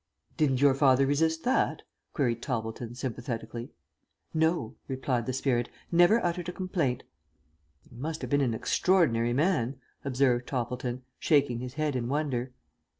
"Didn't your father resist that?" queried Toppleton, sympathetically. "No," replied the spirit, "never uttered a complaint." "He must have been an extraordinary man," observed Toppleton, shaking his head in wonder.